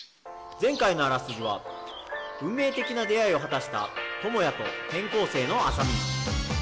前回のあらすじは、運命的な出会いを果たしたともやと転校生のあさみ。